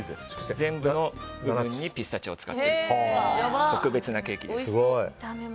全部の部分にピスタチオを使ってる特別なケーキです。